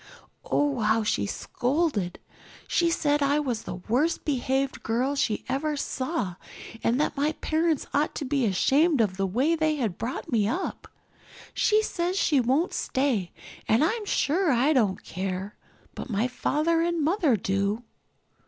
Oh, how she scolded. She said I was the worst behaved girl she ever saw and that my parents ought to be ashamed of the way they had brought me up. She says she won't stay and I'm sure I don't care. But Father and Mother do."